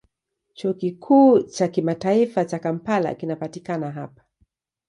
Chuo Kikuu cha Kimataifa cha Kampala kinapatikana hapa.